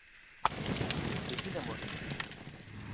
Defina morriña.